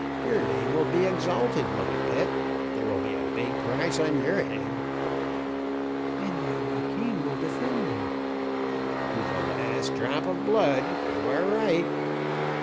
Your name will be exalted, my pet. There will be a big price on your head." "And my Joaquin will defend me." "To the last drop of blood, you are right."